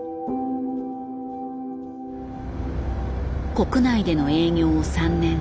国内での営業を３年。